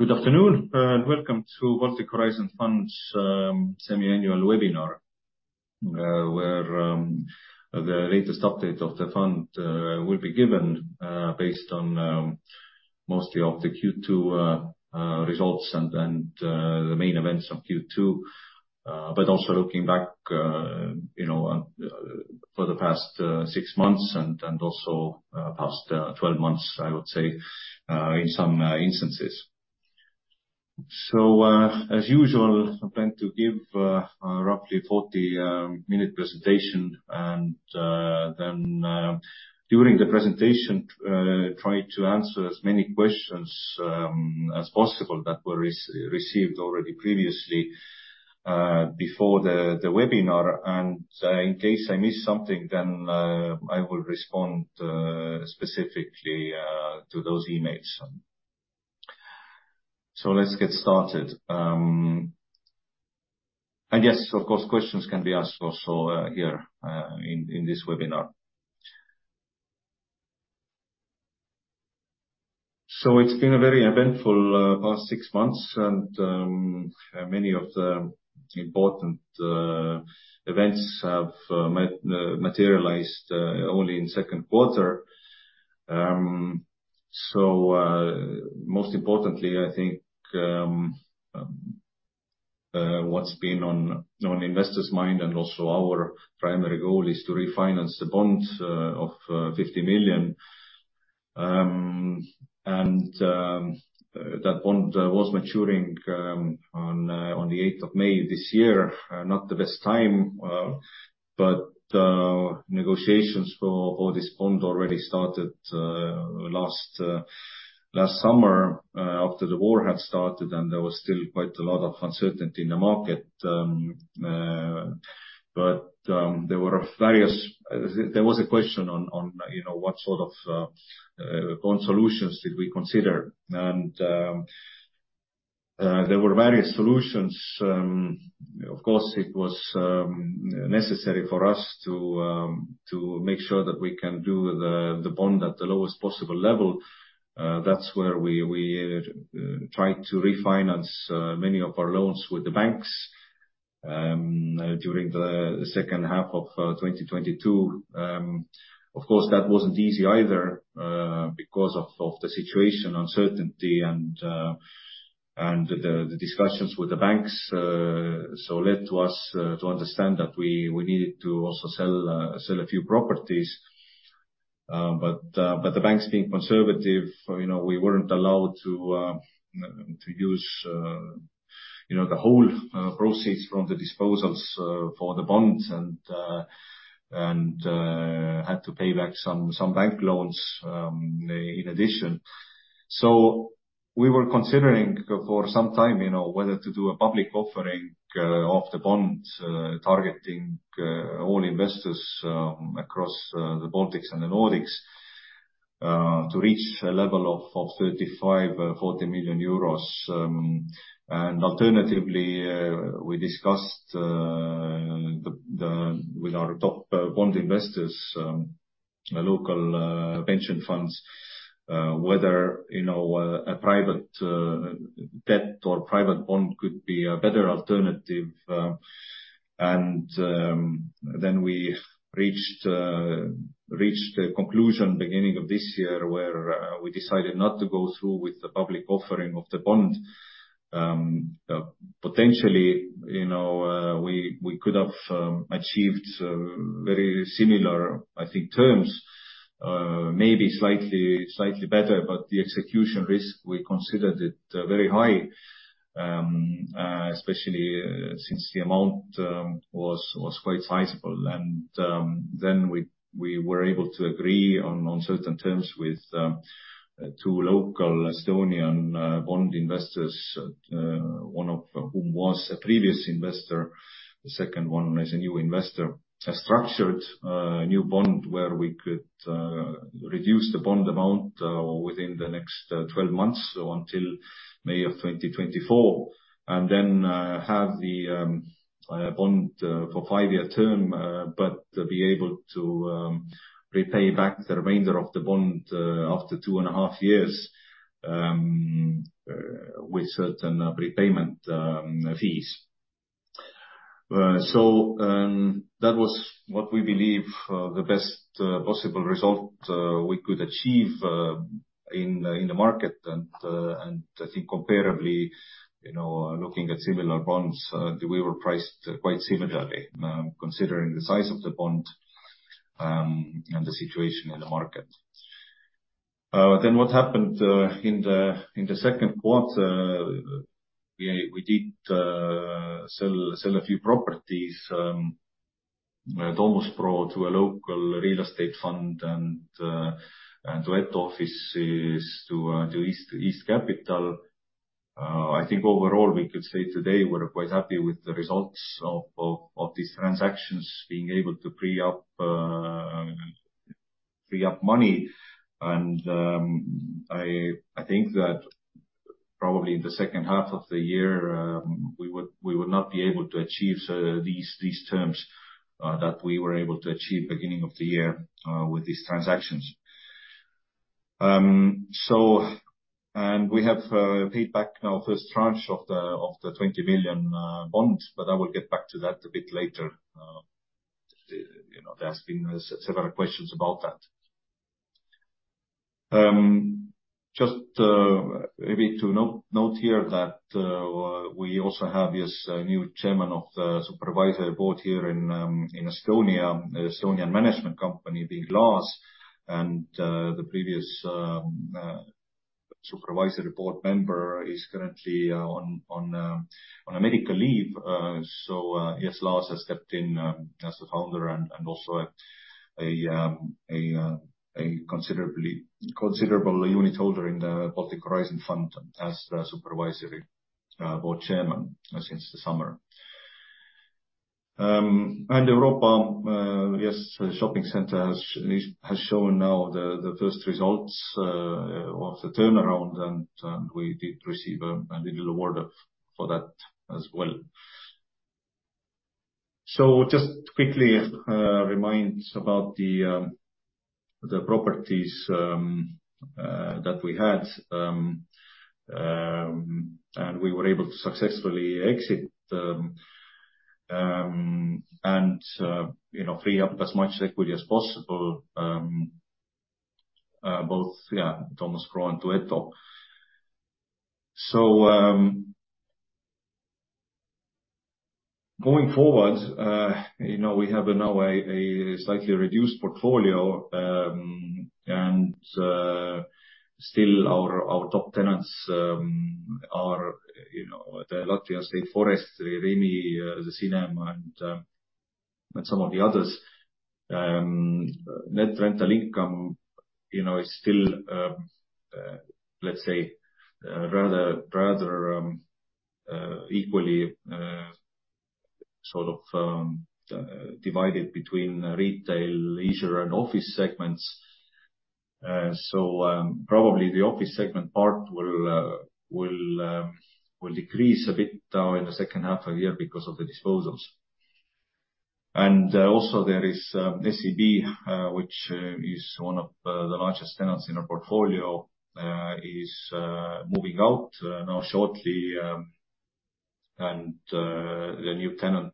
Good afternoon, and welcome to Baltic Horizon Fund's Semi-Annual Webinar, where the latest update of the fund will be given, based on mostly of the Q2 results and, and the main events of Q2. Also looking back, you know, on for the past six months and, and also past 12 months, I would say, in some instances. As usual, I plan to give a roughly 40-minute presentation, and then during the presentation, try to answer as many questions as possible that were received already previously, before the webinar. In case I miss something, then I will respond specifically to those emails. Let's get started. Yes, of course, questions can be asked also here in this webinar. It's been a very eventful past six months, and many of the important events have materialized only in second quarter. Most importantly, I think, what's been on investors' mind and also our primary goal is to refinance the bond of 50 million. That bond was maturing on the eighth of May this year, not the best time, but negotiations for this bond already started last summer, after the war had started, and there was still quite a lot of uncertainty in the market. There was a question on, on, you know, what sort of bond solutions did we consider? And there were various solutions. Of course, it was necessary for us to make sure that we can do the bond at the lowest possible level. That's why we tried to refinance many of our loans with the banks during the second half of 2022. Of course, that wasn't easy either because of the situation, uncertainty, and the discussions with the banks, so led to us, to understand that we needed to also sell a few properties. Being conservative, you know, we weren't allowed to use, you know, the whole proceeds from the disposals for the bonds and had to pay back some bank loans in addition. We were considering for some time, you know, whether to do a public offering of the bond, targeting all investors across the Baltics and the Nordics to reach a level of 35-EUR40 million. And alternatively, we discussed with our top bond investors, local pension funds, whether, you know, a private debt or private bond could be a better alternative. Then we reached a conclusion beginning of this year, where we decided not to go through with the public offering of the bond. Potentially, you know, we could have achieved very similar, I think terms, maybe slightly, slightly better, but the execution risk, we considered it very high, especially since the amount was quite sizable. Then we were able to agree on certain terms with two local Estonian bond investors, one of whom was a previous investor, the second one is a new investor. A structured new bond, where we could reduce the bond amount within the next 12 months, so until May of 2024, and then have the bond for five-year term, but be able to repay back the remainder of the bond after 2.5 years with certain prepayment fees. That was what we believe the best possible result we could achieve in the market. I think comparably, you know, looking at similar bonds, we were priced quite similarly, considering the size of the bond and the situation in the market. What happened in the second quarter, we did sell a few Domus Pro to a local real estate fund and Upmalas Biroji to East Capital. I think overall, we could say today, we're quite happy with the results of these transactions, being able to free up free up money. I think that probably in the second half of the year, we would not be able to achieve so, these terms that we were able to achieve beginning of the year with these transactions. We have paid back now first tranche of the 20 million bonds, I will get back to that a bit later. You know, there's been several questions about that. Just maybe to note here that we also have this new Chairman of the Supervisory Board here in Estonia, Estonian management company, Lars, and the previous Supervisory Board member is currently on a medical leave. Yes, Lars has stepped in as the founder and also a considerably considerable unit holder in the Baltic Horizon Fund as the Supervisory Board Chairman since the summer. Europa, yes, shopping center has shown now the first results of the turnaround, and we did receive a little award for that as well. Just quickly, remind about the properties that we had and we were able to successfully exit and, you know, free up as much equity as possible, Domus Pro. going forward, you know, we have now a slightly reduced portfolio and still our top tenants are, you know, the Latvian State Forestry, Rimi, the cinema, and some of the others. Net rental income, you know, is still, let's say, rather, rather equally sort of divided between retail, leisure, and office segments. Probably the office segment part will will decrease a bit now in the second half of the year because of the disposals. Also there is SEB, which is one of the largest tenants in our portfolio, is moving out now shortly. The new tenant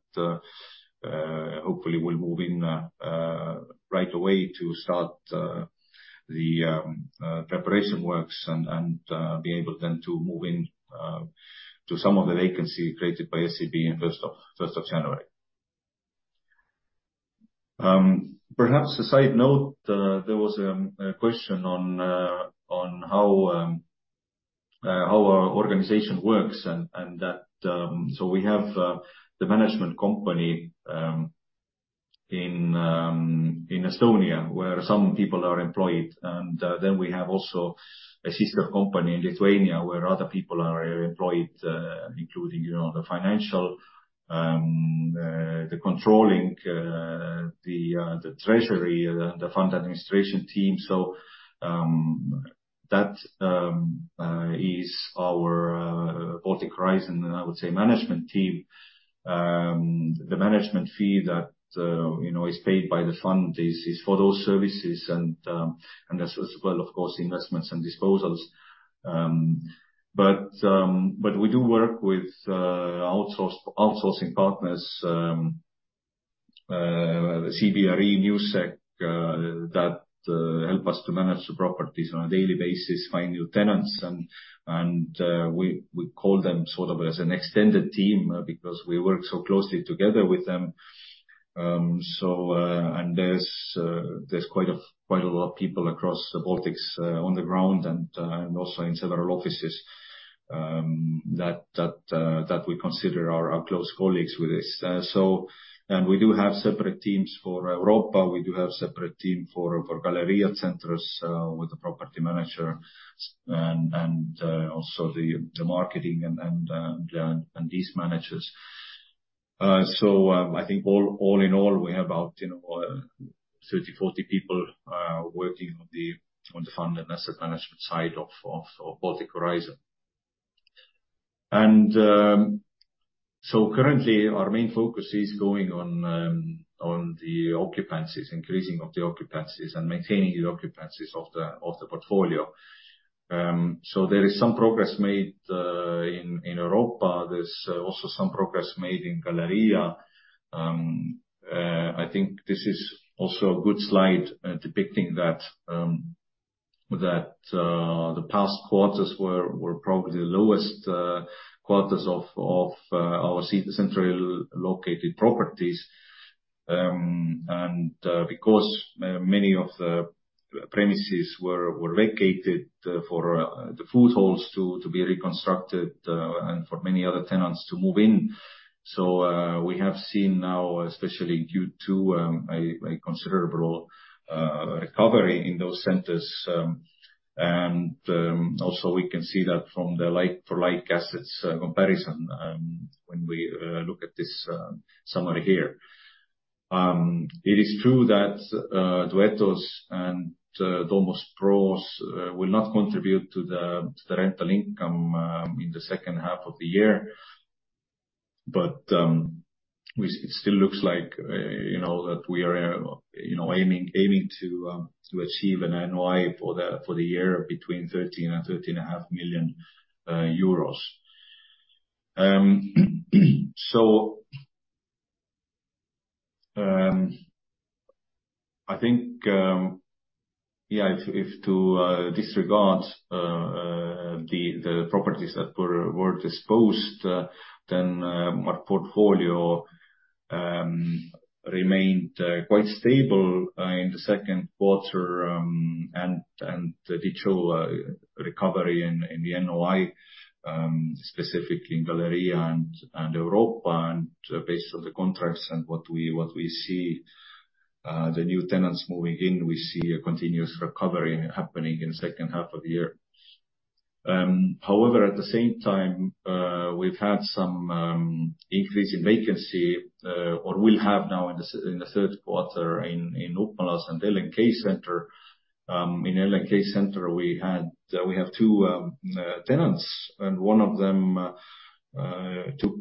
hopefully will move in right away to start the preparation works and be able then to move in to some of the vacancy created by SEB in first of January. Perhaps a side note, there was a question on on how how our organization works and and that so we have the management company in in Estonia, where some people are employed. Then we have also a sister company in Lithuania, where other people are employed, including, you know, the financial, the controlling, the treasury, the fund administration team. That is our Baltic Horizon, I would say, management team. The management fee that, you know, is paid by the fund is, is for those services and as well, of course, investments and disposals. But we do work with outsourcing partners, CBRE, Newsec, that help us to manage the properties on a daily basis, find new tenants, and we, we call them sort of as an extended team because we work so closely together with them. There's quite a lot of people across the Baltics on the ground and also in several offices that we consider are our close colleagues with this. We do have separate teams for Europa. We do have separate team for Galerija Centrs with the property manager and also the marketing and these managers. I think all in all, we have about, you know, 30, 40 people working on the fund and asset management side of Baltic Horizon. Currently our main focus is going on on the occupancies, increasing of the occupancies and maintaining the occupancies of the portfolio. There is some progress made in Europa. There's also some progress made in Galerija. I think this is also a good slide depicting that the past quarters were probably the lowest quarters of our centrally located properties. Because many of the premises were vacated for the food halls to be reconstructed and for many other tenants to move in. We have seen now, especially due to a considerable recovery in those centers. Also we can see that from the like-for-like assets comparison when we look at this summary here. It is true that Duetto, Domus Pros will not contribute to the rental income in the second half of the year. Which it still looks like, you know, that we are, you know, aiming, aiming to achieve an NOI for the year between EUR 13 million and EUR 13.5 million. I think, yeah, if to disregard the properties that were disposed, then our portfolio remained quite stable in the second quarter, and did show recovery in the NOI, specifically in Galerija Centrs and Europa, and based on the contracts and what we see, the new tenants moving in, we see a continuous recovery happening in the second half of the year. However, at the same time, we've had some increase in vacancy, or will have now in the third quarter in Upmalas and LNK Centre. In LNK Centre, we had, we have two tenants, and one of them took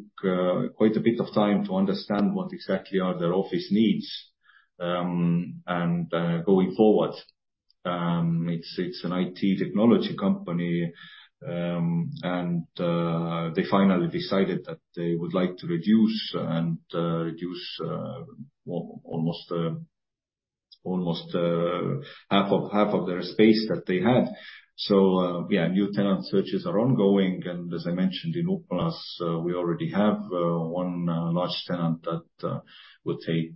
quite a bit of time to understand what exactly are their office needs. Going forward, it's an IT technology company, and they finally decided that they would like to reduce, well, almost half of their space that they had. Yeah, new tenant searches are ongoing, and as I mentioned, in Upmalas, we already have one large tenant that will take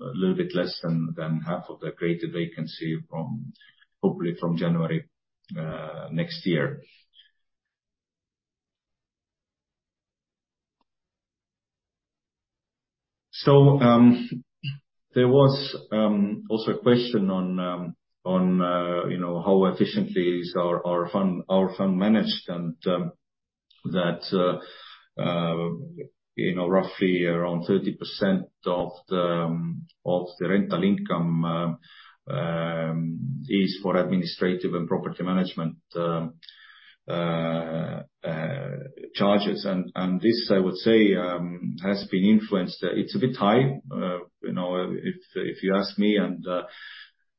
a little bit less than half of the created vacancy from, hopefully from January next year. There was also a question on, you know, how efficiently is our, our fund, our fund managed, and that, you know, roughly around 30% of the of the rental income is for administrative and property management charges. And this, I would say, has been influenced. It's a bit high, you know if you ask me, and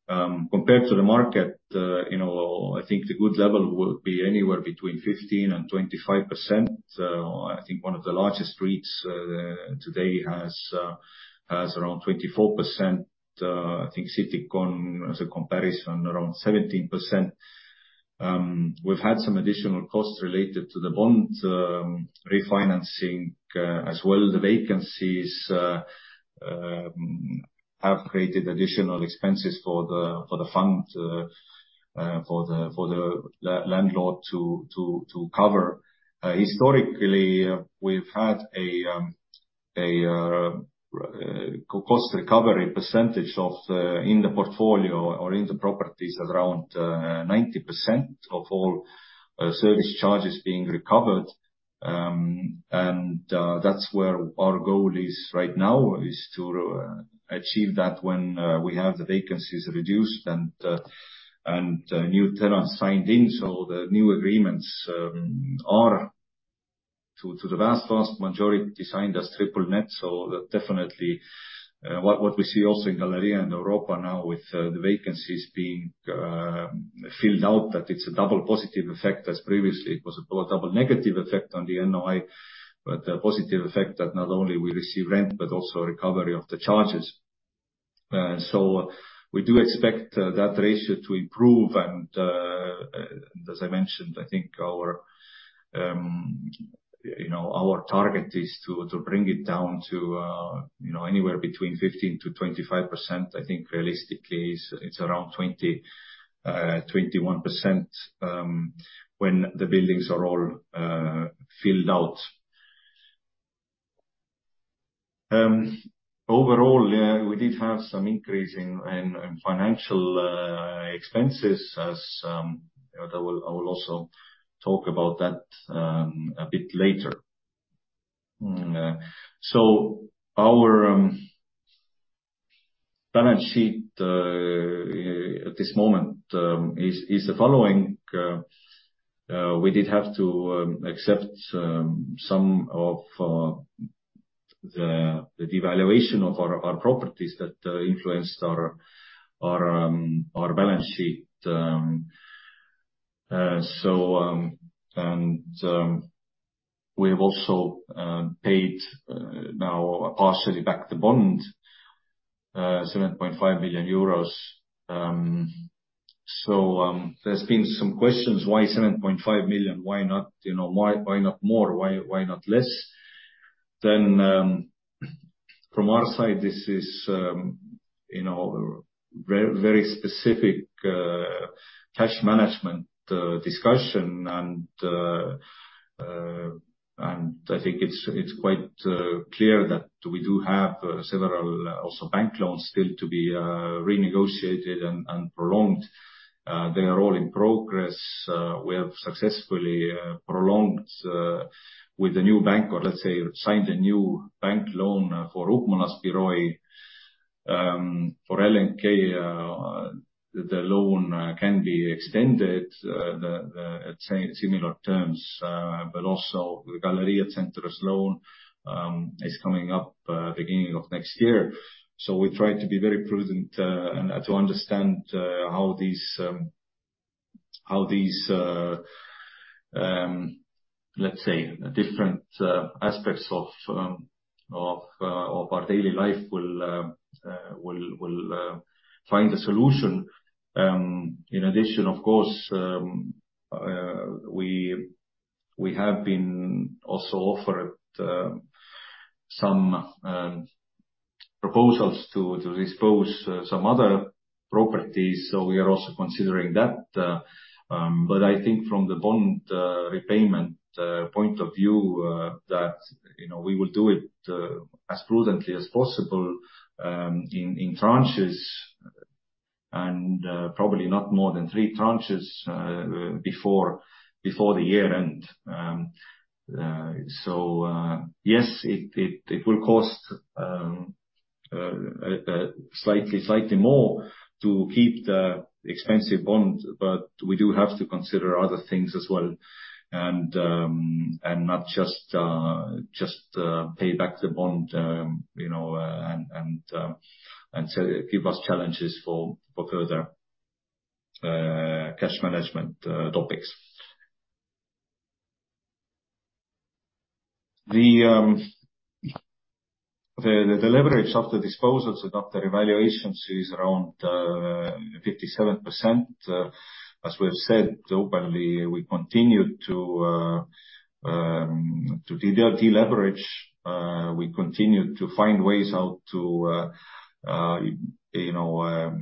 compared to the market, you know, I think the good level would be anywhere between 15% and 25%. I think one of the largest REITs today has has around 24%. I think Citycon, as a comparison, around 17%. We've had some additional costs related to the bond refinancing as well as the vacancies have created additional expenses for the for the fund for the for the landlord to to to cover. Historically, we've had a a cost recovery percentage of in the portfolio or in the properties around 90% of all service charges being recovered. That's where our goal is right now, is to achieve that when we have the vacancies reduced and and new tenants signed in. The new agreements are to to the vast, vast majority, signed as triple net. That definitely, what, what we see also in Galerija and Europa now with the vacancies being filled out, that it's a double positive effect, as previously it was a double negative effect on the NOI. A positive effect that not only we receive rent, but also recovery of the charges. We do expect that ratio to improve, and, as I mentioned, I think our, you know, our target is to bring it down to, you know, anywhere between 15%-25%. I think realistically, it's, it's around 20%-21% when the buildings are all filled out. Overall, yeah, we did have some increase in, in, in financial expenses, as I will, I will also talk about that a bit later. Our balance sheet at this moment is the following. We did have to accept some of the devaluation of our properties that influenced our balance sheet. We have also paid now partially back the bond, 7.5 million euros. There's been some questions, why 7.5 million? Why not, you know, why, why not more? Why, why not less? From our side, this is, you know, very, very specific cash management discussion. I think it's quite clear that we do have several also bank loans still to be renegotiated and prolonged. They are all in progress. Successfully prolonged with the new bank, or let's say, signed a new bank loan for Upmalas Biroji. For LNK Centre, the loan can be extended at similar terms, but also the Galerija Centrs loan is coming up beginning of next year. We try to be very prudent and to understand how these different aspects of our daily life will find a solution. In addition, of course, we have been also offered some proposals to dispose some other properties, so we are also considering that. tags. Let's break down the original transcript: but I think from the bond repayment point of view that, you know, we will do it as prudently as possible in tranches, and probably not more than three tranches, before the year end. Yes, it will cost slightly, slightly more to keep the expensive bond, but we do have to consider other things as well, and not just pay back the bond. You know, and so it give us challenges for further cash management topics. The leverage of the disposals and after evaluations is around 57%. As we've said openly, we continue to find ways how to, you know,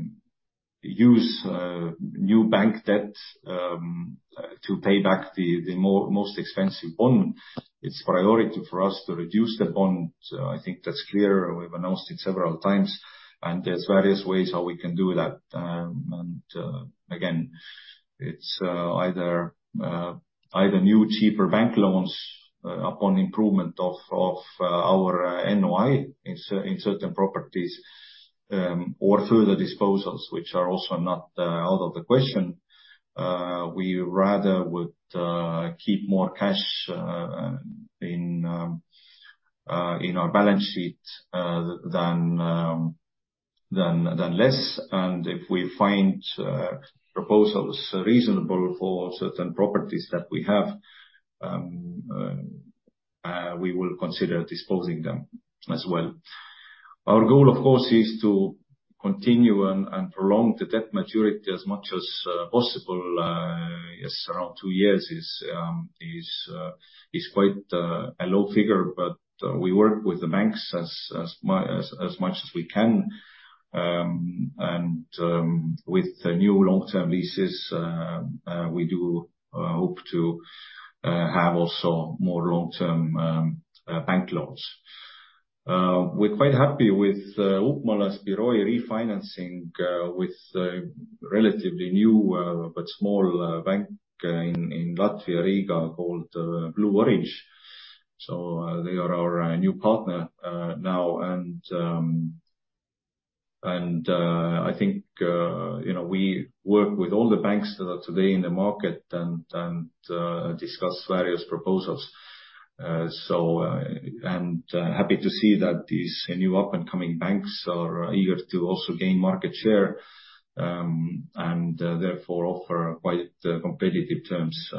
use new bank debt to pay back the more, most expensive bond. It's priority for us to reduce the bond, so I think that's clear, and we've announced it several times, and there's various ways how we can do that. Again, it's either either new, cheaper bank loans upon improvement of our NOI in certain properties, or through the disposals, which are also not out of the question. We rather would keep more cash in in our balance sheet than than less. If we find proposals reasonable for certain properties that we have, we will consider disposing them as well. Our goal, of course, is to continue and, and prolong the debt maturity as much as possible. Yes, around two years is is quite a low figure, but we work with the banks as much as we can. With the new long-term leases, we do hope to have also more long-term bank loans. We're quite happy with Upmalas Biroji refinancing with a relatively new, but small bank in Latvia, Riga, called BluOr Bank. They are our new partner now. I think, you know, we work with all the banks that are today in the market and, and discuss various proposals. Happy to see that these new up-and-coming banks are eager to also gain market share, and, therefore, offer quite competitive terms,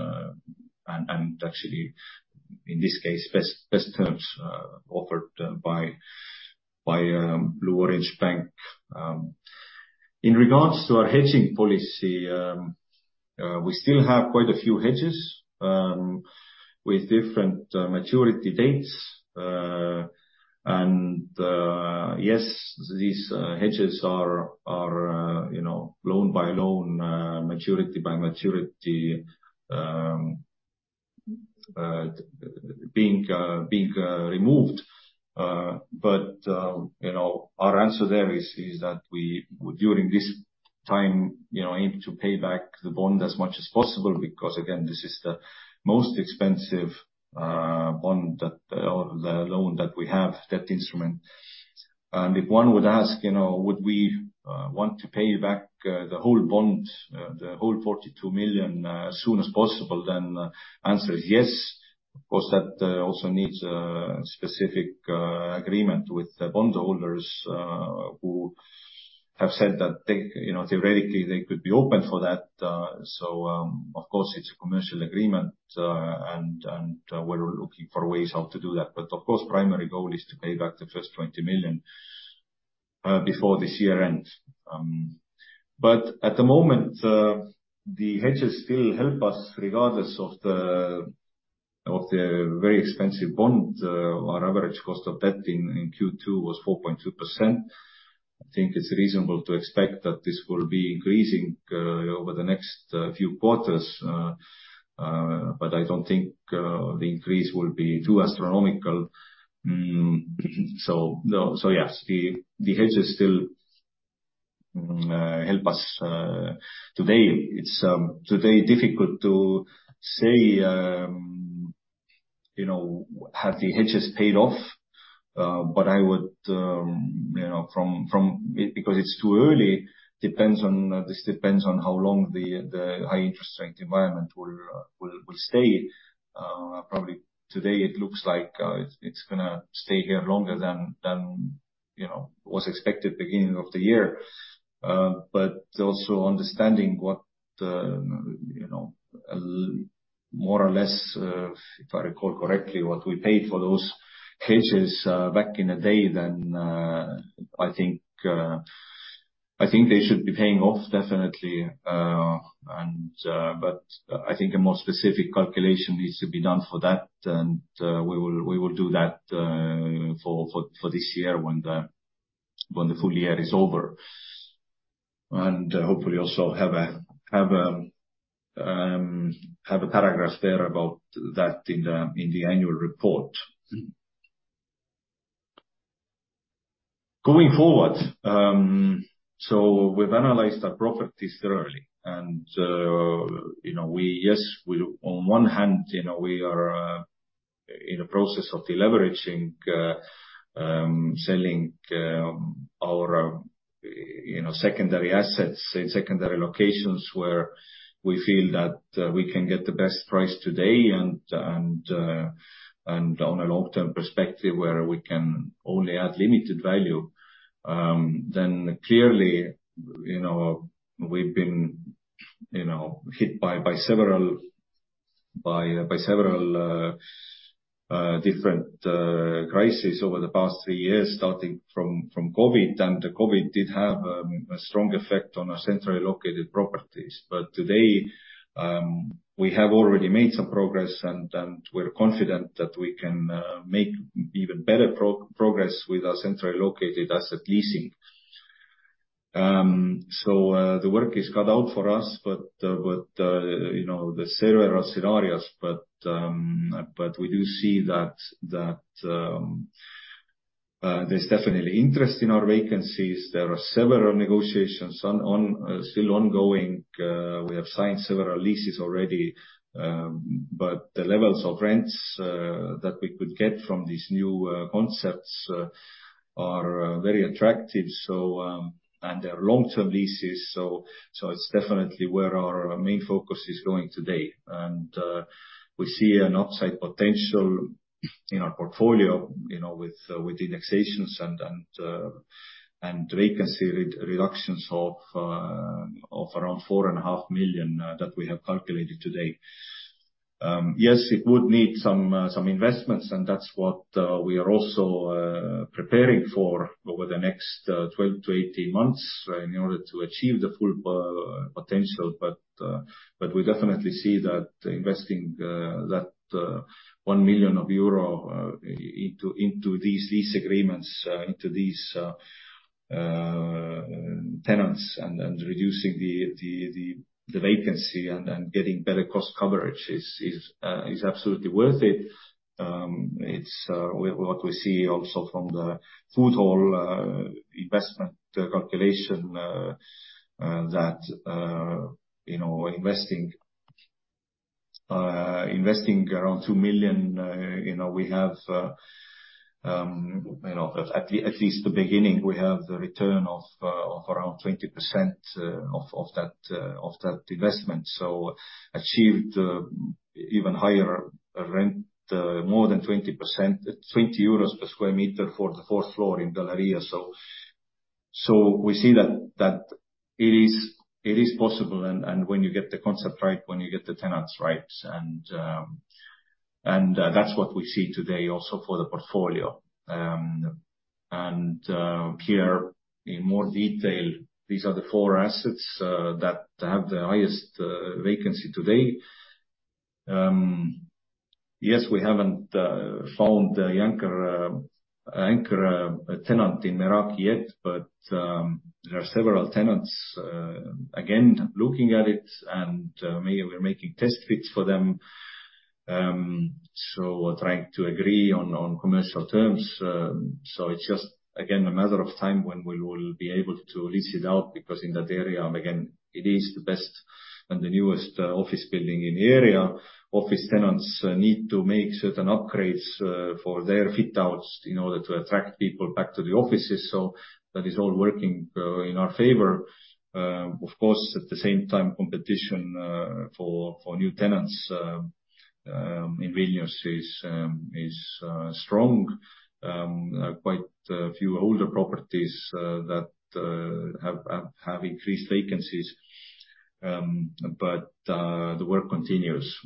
and, and actually, in this case, best, best terms, offered, by BluOr Bank. In regards to our hedging policy, we still have quite a few hedges with different maturity dates. Yes, these hedges are, you know, loan by loan, maturity by maturity, being, being, removed. You know, our answer there is, is that we, during this time, you know, aim to pay back the bond as much as possible, because again, this is the most expensive, bond that... or the loan that we have, that instrument. If one would ask, you know, would we want to pay back the whole bond, the whole 42 million as soon as possible? The answer is yes. Of course, that also needs a specific agreement with the bondholders who have said that they, you know, theoretically, they could be open for that. Of course, it's a commercial agreement, and we're looking for ways how to do that. Of course, primary goal is to pay back the first 20 million before this year ends. At the moment, the hedges still help us, regardless of the very expensive bond. Our average cost of debt in Q2 was 4.2%. I think it's reasonable to expect that this will be increasing over the next few quarters. I don't think the increase will be too astronomical. No, so yes, the hedges still help us today. It's today, difficult to say, you know, have the hedges paid off, but I would, you know, from because it's too early, depends on, this depends on how long the high interest rate environment will, will stay. Probably today it looks like it's gonna stay here longer than, than, you know, was expected beginning of the year. Also understanding what the, you know, more or less, if I recall correctly, what we paid for those hedges, back in the day, then, I think, I think they should be paying off, definitely. But I think a more specific calculation needs to be done for that, and we will, we will do that for, for, for this year when the, when the full year is over. Hopefully also have a paragraph there about that in the, in the annual report. Going forward, we've analyzed our profit this thoroughly, and, you know, we... Yes, we on one hand, you know, we are in the process of deleveraging, selling our, you know, secondary assets in secondary locations where we feel that we can get the best price today and, and, and on a long-term perspective, where we can only add limited value. Then clearly, you know, we've been, you know, hit by, by several, by, by several different crises over the past three years, starting from, from COVID. The COVID did have a strong effect on our centrally located properties. Today, we have already made some progress, and we're confident that we can make even better progress with our centrally located asset leasing. The work is cut out for us, but, you know, there are several scenarios, but we do see that there's definitely interest in our vacancies. There are several negotiations still ongoing. We have signed several leases already, but the levels of rents that we could get from these new concepts are very attractive. They're long-term leases, so it's definitely where our main focus is going today. We see an upside potential in our portfolio, you know, with indexations and reductions of around EUR 4.5 million that we have calculated today. Yes, it would need some investments, and that's what we are also preparing for over the next 12 to 18 months in order to achieve the full potential. We definitely see that investing 1 million euro into these lease agreements, into these tenants and reducing the vacancy and getting better cost coverage is absolutely worth it. It's what we see also from the food hall investment calculation that, you know, investing, investing around 2 million, you know, we have, you know, at least the beginning, we have a return of around 20% of that investment. Achieved even higher rent, more than 20%, 20 euros per square meter for the fourth floor in Galerija Centrs. We see that it is possible, and when you get the concept right, when you get the tenants right. That's what we see today also for the portfolio. Here, in more detail, these are the four assets that have the highest vacancy today. Yes, we haven't found the anchor anchor tenant in Meraki yet, but there are several tenants again looking at it, and maybe we're making test fits for them. We're trying to agree on commercial terms. It's just again a matter of time when we will be able to lease it out, because in that area, again, it is the best and the newest office building in the area. Office tenants need to make certain upgrades for their fit outs in order to attract people back to the offices, so that is all working in our favor. Of course, at the same time, competition for new tenants in Vilnius is strong. Quite a few older properties that have increased vacancies, but the work continues.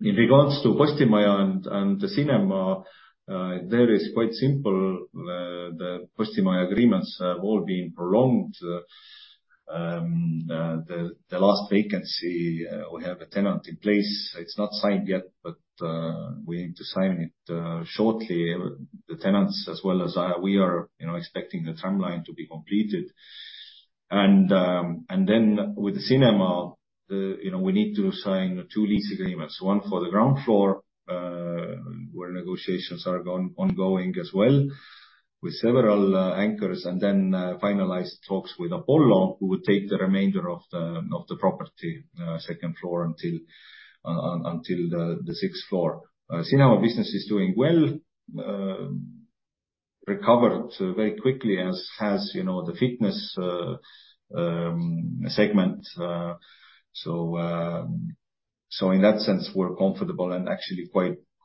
In regards to Postimaja and the cinema, there is quite simple, the Postimaja agreements have all been prolonged. The last vacancy, we have a tenant in place. It's not signed yet, but we need to sign it shortly. The tenants as well as we are, you know, expecting the timeline to be completed. Then with the cinema, you know, we need to sign two lease agreements, one for the ground floor where negotiations are ongoing as well, with several anchors, and then finalized talks with Apollo, who would take the remainder of the property, second floor until the sixth floor. Cinema business is doing well, recovered very quickly, as has, you know, the fitness segment. So, in that sense, we're comfortable and actually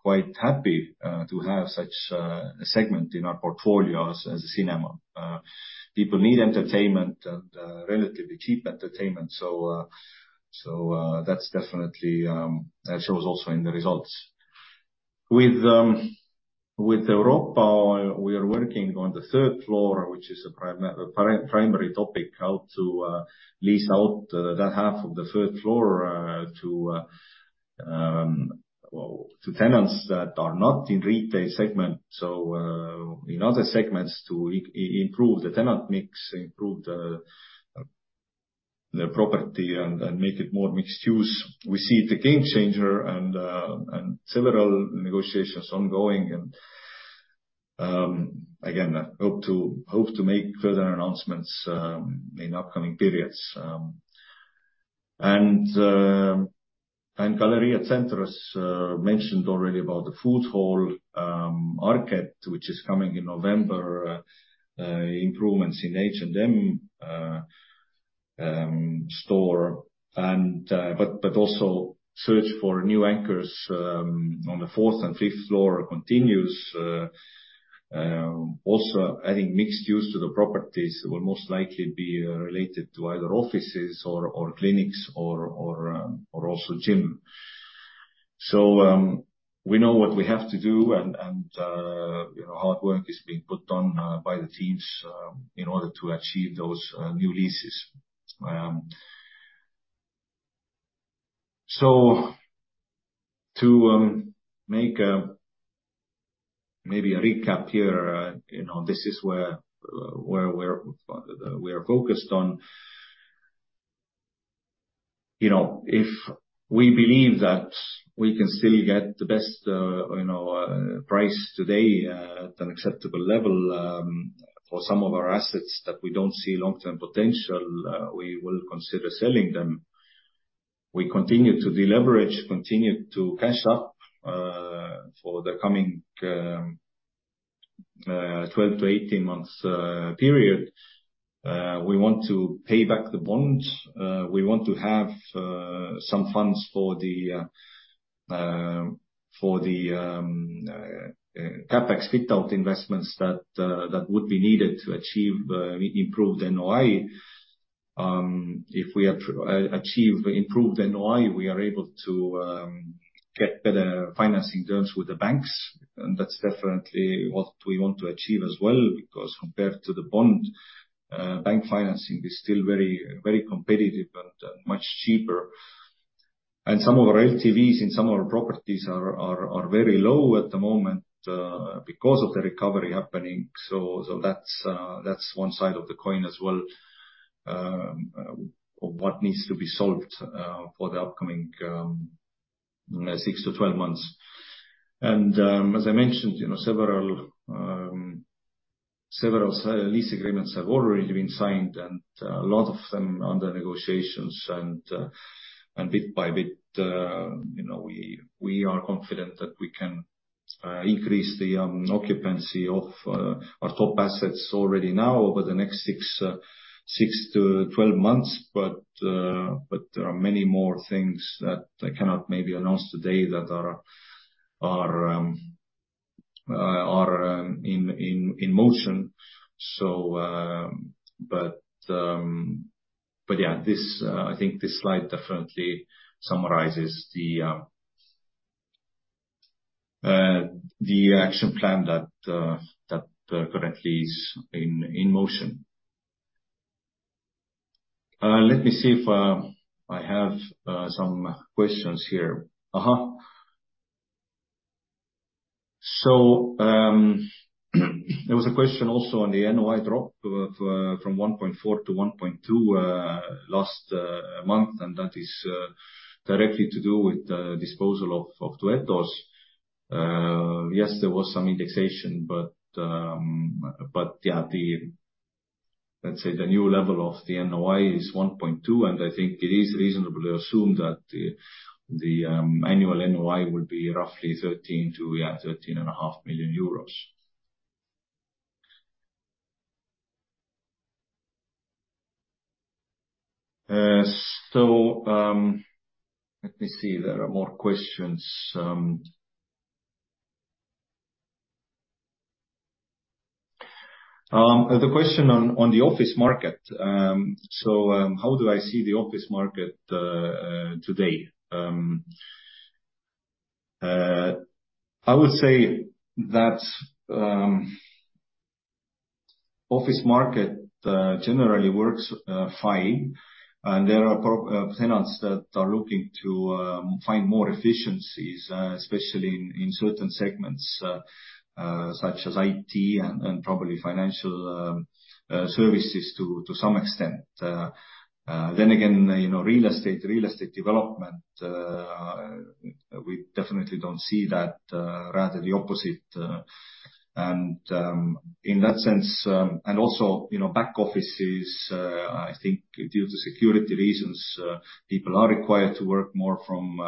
quite happy to have such a segment in our portfolio as a cinema. People need entertainment and relatively cheap entertainment. So, that's definitely that shows also in the results. With Europa Shopping Center, we are working on the third floor, which is a prime pri-primary topic, how to lease out that half of the third floor to, well, to tenants that are not in retail segment. So, in other segments, to improve the tenant mix, improve the property and make it more mixed use. We see it a game changer and several negotiations ongoing, and again, I hope to make further announcements in upcoming periods. Galerija Centrs mentioned already about the food hall market, which is coming in November, improvements in H&M store, but also search for new anchors on the fourth and fifth floor continues. Also, adding mixed use to the properties will most likely be related to either offices or clinics or also gym. We know what we have to do, and you know, hard work is being put on by the teams in order to achieve those new leases. To make maybe a recap here, you know, this is where we're we are focused on. You know, if we believe that we can still get the best price today, at an acceptable level, for some of our assets that we don't see long-term potential, we will consider selling them. We continue to deleverage, continue to cash up for the coming 12-18 months period. We want to pay back the bonds. We want to have some funds for the for the CapEx fit-out investments that that would be needed to achieve improved NOI. If we achieve improved NOI, we are able to get better financing terms with the banks. That's definitely what we want to achieve as well, because compared to the bond, bank financing is still very, very competitive and much cheaper. Some of our LTVs in some of our properties are, are, are very low at the moment, because of the recovery happening. That's one side of the coin as well, of what needs to be solved for the upcoming six to 12 months. ou know, several lease agreements have already been signed, and a lot of them under negotiations, and bit by bit, you know, we are confident that we can increase the occupancy of our top assets already now over the next six to 12 months. But there are many more things that I cannot maybe announce today that are in motion. This, I think this slide definitely summarizes the action plan that currently is in motion. Let me see if I have some questions here. There was a question also on the NOI drop of from 1.4 to 1.2 last month, and that is directly to do with the disposal of Duetto. Yes, there was some indexation, but the new level of the NOI is 1.2, and I think it is reasonable to assume that the annual NOI will be roughly 13 million-13.5 million euros. Let me see. There are more questions. The question on the office market. How do I see the office market today? I would say that office market generally works fine, and there are tenants that are looking to find more efficiencies, especially in certain segments, such as IT and probably financial services to some extent. Then again, you know, real estate, real estate development, we definitely don't see that, rather the opposite. In that sense, and also, you know, back offices, I think due to security reasons, people are required to work more from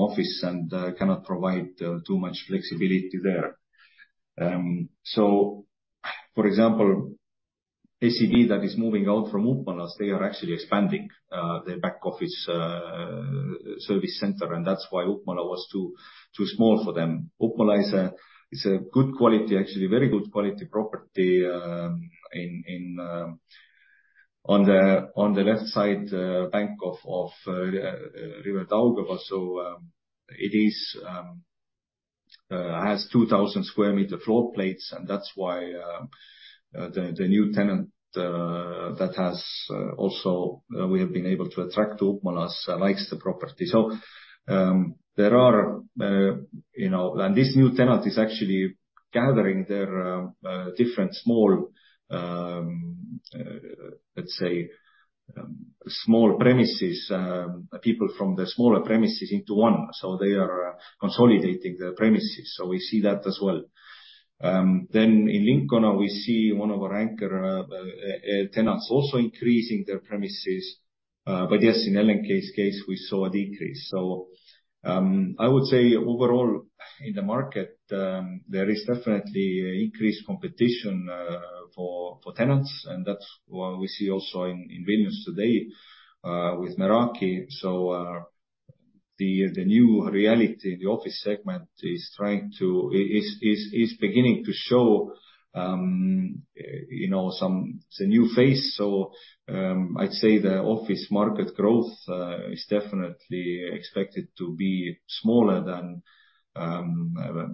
office and cannot provide too much flexibility there. So, for example, SEB that is moving out from Upmalas, they are actually expanding their back office service center, and that's why Upmalas was too small for them. Upmalas is a, is a good quality, actually a very good quality property, on the left side, bank of River Daugava. It is has 2,000 square meter floor plates, and that's why the new tenant that has also, we have been able to attract to Upmalas likes the property. There are, you know, and this new tenant is actually gathering their different small, let's say, small premises, people from the smaller premises into one. They are consolidating the premises, so we see that as well. In Lincona, we see one of our anchor tenants also increasing their premises, but yes, in LNK's case, we saw a decrease. I would say overall in the market, there is definitely increased competition for tenants, and that's what we see also in business today with Meraki. The new reality in the office segment is beginning to show, you know, the new face. I'd say the office market growth is definitely expected to be smaller than,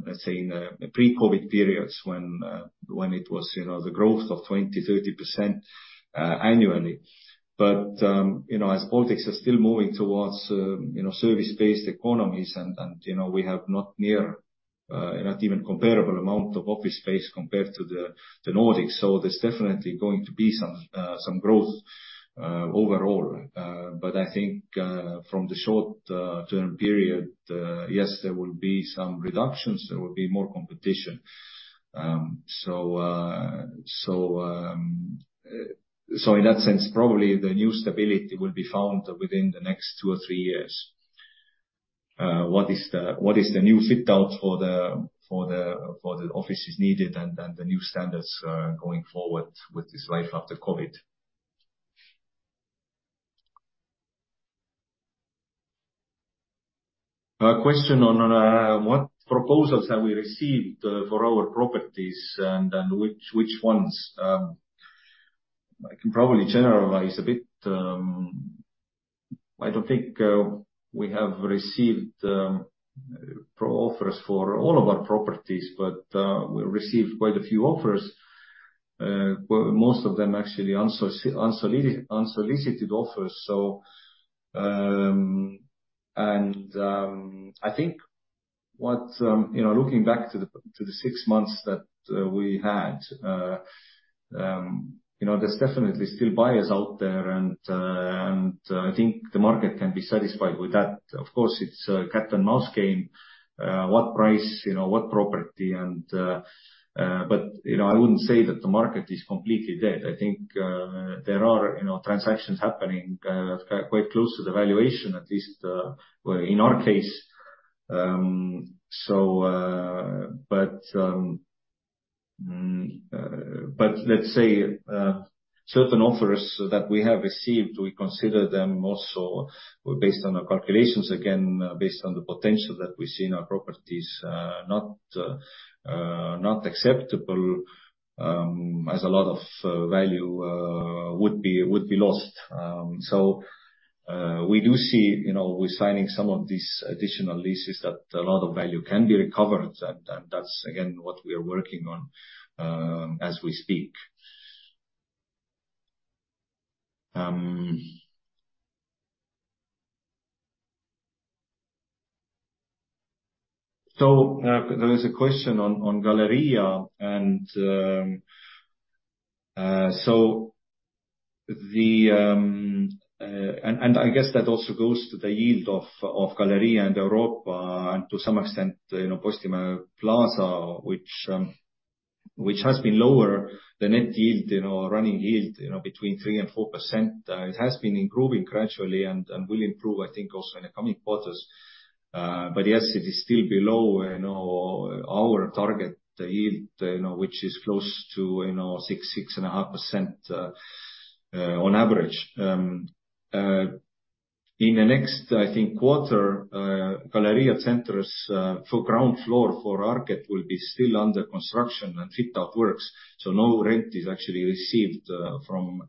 let's say in a pre-COVID periods when it was, you know, the growth of 20%-30% annually. You know, as Baltics are still moving towards, you know, service-based economies and, and, you know, we have not near, not even comparable amount of office space compared to the Nordics. There's definitely going to be some growth overall. I think from the short term period, yes, there will be some reductions, there will be more competition. So in that sense, probably the new stability will be found within the next two or three years. What is the, what is the new fit out for the, for the, for the offices needed and, and the new standards going forward with this life after COVID? A question on what proposals have we received for our properties and, and which, which ones? I can probably generalize a bit. I don't think we have received pro offers for all of our properties, but we received quite a few offers. Most of them actually unsolicited offers. I think what, you know, looking back to the, to the six months that we had, you know, there's definitely still buyers out there, and I think the market can be satisfied with that. Of course, it's a cat and mouse game, what price, you know, what property, and, you know, I wouldn't say that the market is completely dead. I think there are, you know, transactions happening, quite close to the valuation, at least, in our case. Let's say, certain offers that we have received, we consider them also based on the calculations, again, based on the potential that we see in our properties, not, not acceptable, as a lot of value would be, would be lost. We do see, you know, with signing some of these additional leases that a lot of value can be recovered, and, and that's again, what we are working on, as we speak. There is a question on Galerija Centrs, and I guess that also goes to the yield of Galerija Centrs and Europa, and to some extent, you know, Postimaja, which has been lower. The net yield, you know, running yield, you know, between 3%-4%. It has been improving gradually and, and will improve, I think, also in the coming quarters. Yes, it is still below, you know, our target, the yield, you know, which is close to, you know, 6%-6.5% on average. In the next, I think, quarter, Galerija Centrs, for ground floor for Arket will be still under construction and fit out works, so no rent is actually received from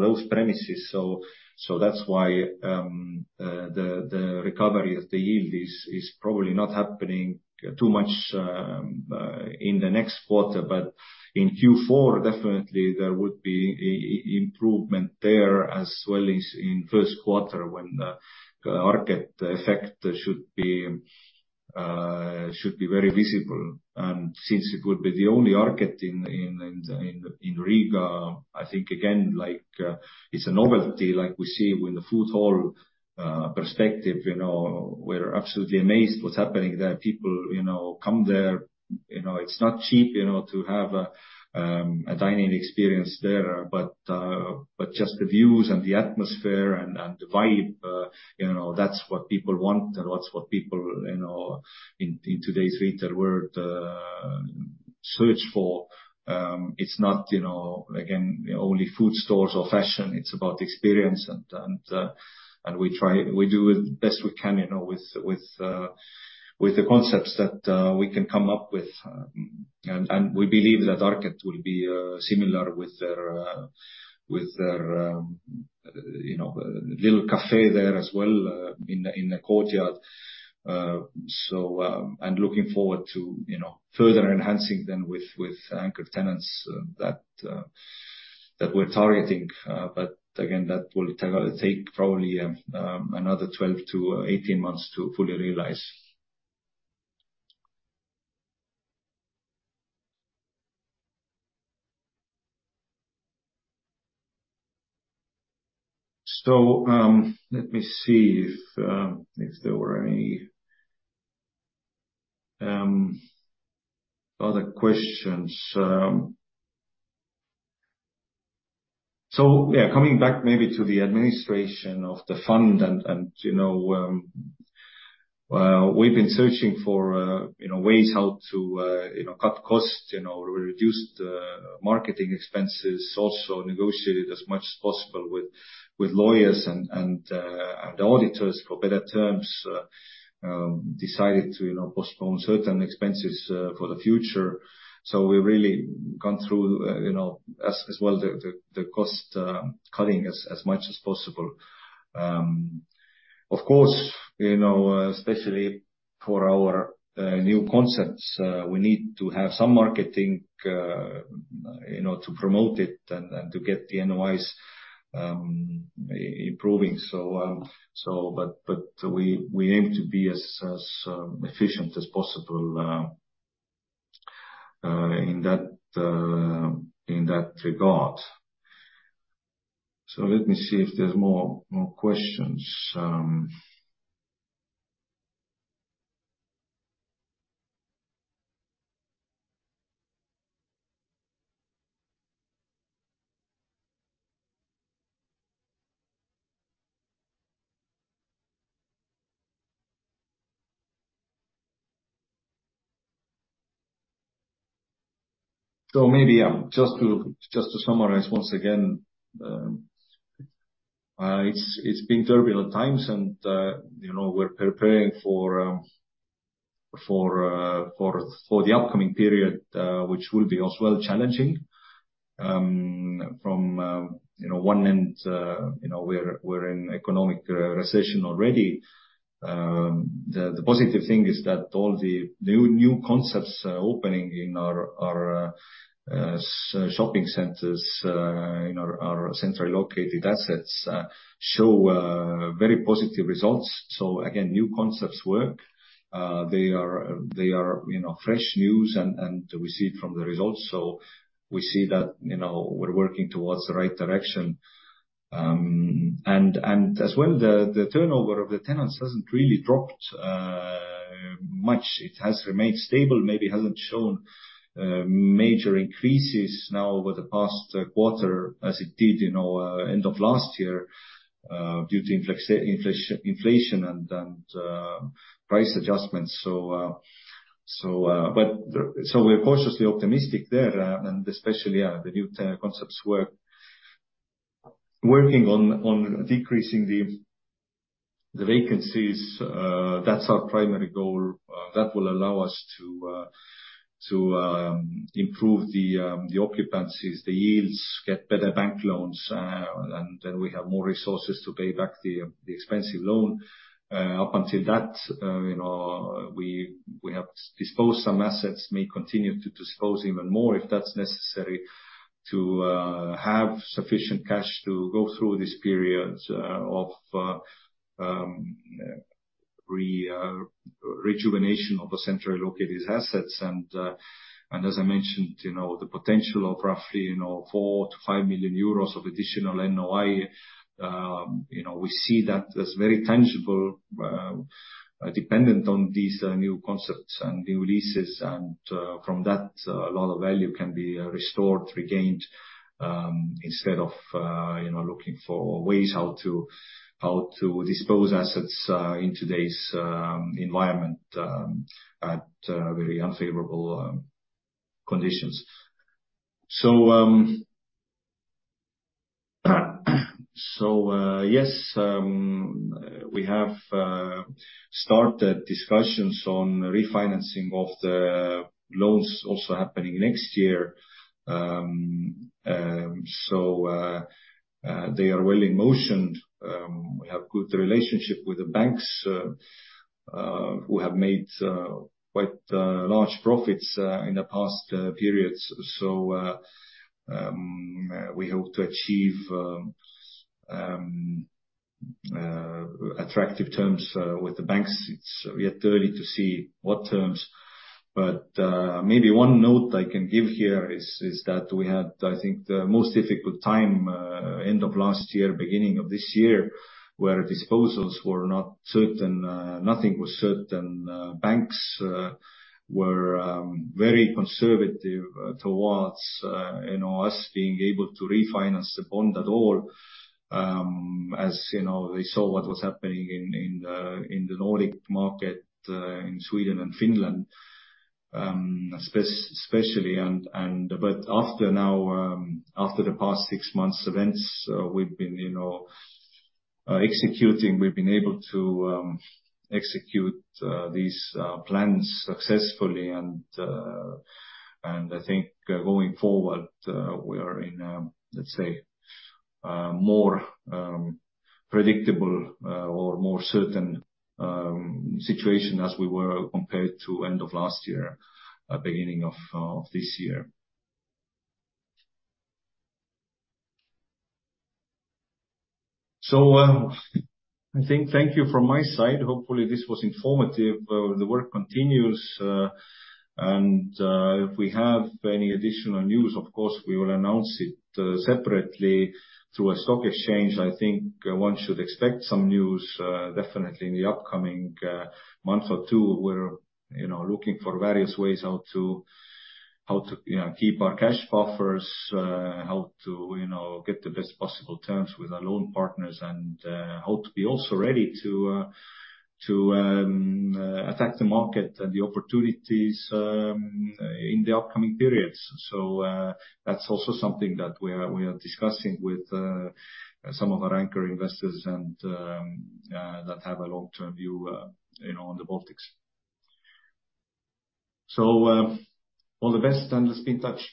those premises. That's why the recovery of the yield is probably not happening too much in the next quarter. In Q4, definitely there would be improvement there as well as in first quarter, when the Arket effect should be very visible. Since it would be the only Arket in Riga, I think again, like, it's a novelty like we see with the food hall perspective, you know, we're absolutely amazed what's happening there. People, you know, come there. You know, it's not cheap, you know, to have a dining experience there, but just the views and the atmosphere and, and the vibe, you know, that's what people want, and that's what people, you know, in, in today's retail world, search for. It's not, you know, again, only food stores or fashion, it's about experience and, and we do the best we can, you know, with, with the concepts that we can come up with. And we believe that Arket will be similar with their, with their, you know, little cafe there as well, in the courtyard. I'm looking forward to, you know, further enhancing them with, with anchor tenants that we're targeting. Again, that will take, take probably another 12 to 18 months to fully realize. Let me see if there were any other questions. Yeah, coming back maybe to the administration of the fund and, and, you know, we've been searching for, you know, ways how to, you know, cut costs, you know, reduce the marketing expenses. Also negotiated as much as possible with, with lawyers and, and, auditors for better terms. Decided to, you know, postpone certain expenses for the future. We've really gone through, you know, as well, the cost cutting as, as much as possible. Of course, you know, especially for our new concepts, we need to have some marketing, you know, to promote it and, and to get the NOIs improving. But, but we, we aim to be as, as efficient as possible in that in that regard. Let me see if there's more, more questions. Maybe, yeah, just to, just to summarize once again. It's, it's been turbulent times and, you know, we're preparing for for for the upcoming period, which will be as well challenging. From, you know, one end, you know, we're, we're in economic recession already. The positive thing is that all the new, new concepts opening in our shopping centers, in our centrally located assets, show very positive results. Again, new concepts work. They are you know, fresh news and we see it from the results. We see that, you know, we're working towards the right direction. As well, the turnover of the tenants hasn't really dropped much. It has remained stable, maybe hasn't shown major increases now over the past quarter, as it did, you know, end of last year, due to inflation and price adjustments. We're cautiously optimistic there, especially the new concepts work. Working on decreasing the vacancies, that's our primary goal. That will allow us to to improve the the occupancies, the yields, get better bank loans, then we have more resources to pay back the the expensive loan. Up until that, you know, we we have disposed some assets, may continue to dispose even more, if that's necessary, to have sufficient cash to go through this period of re rejuvenation of the centrally located assets. As I mentioned, you know, the potential of roughly, you know, 4 million-5 million euros of additional NOI. You know, we see that as very tangible, dependent on these new concepts and new leases, and from that, a lot of value can be restored, regained, instead of, you know, looking for ways how to, how to dispose assets in today's environment, at very unfavorable conditions. So, yes, we have started discussions on refinancing of the loans also happening next year. They are well in motion. We have good relationship with the banks, who have made quite large profits in the past periods. So, we hope to achieve attractive terms with the banks. It's yet early to see what terms, but, maybe one note I can give here is, is that we had, I think, the most difficult time, end of last year, beginning of this year, where disposals were not certain, nothing was certain. Banks, were very conservative towards, you know, us being able to refinance the bond at all. As you know, they saw what was happening in, in the Nordic market, in Sweden and Finland, especially and, and but after now, after the past six months events, we've been, you know, executing, we've been able to execute these plans successfully. I think going forward, we are in a, let's say, more predictable or more certain situation as we were compared to end of last year, beginning of this year. I think thank you from my side. Hopefully, this was informative. The work continues, and if we have any additional news, of course, we will announce it separately through a stock exchange. I think one should expect some news definitely in the upcoming month or two. We're, you know, looking for various ways how to you know, keep our cash buffers, how to, you know, get the best possible terms with our loan partners, and how to be also ready to to attack the market and the opportunities in the upcoming periods. That's also something that we are, we are discussing with some of our anchor investors and that have a long-term view, you know, on the Baltics. All the best, and let's be in touch.